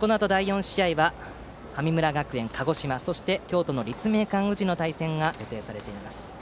このあと第４試合は鹿児島の神村学園とそして京都の立命館宇治の対戦が予定されています。